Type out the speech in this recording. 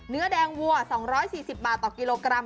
เนื้อแดงวัว๒๔๐บาทต่อกิโลกรัม